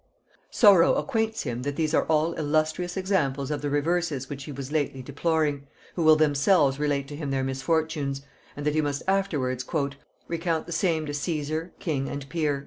Sorrow acquaints him that these are all illustrious examples of the reverses which he was lately deploring, who will themselves relate to him their misfortunes; and that he must afterwards "Recount the same to Kesar, king and peer."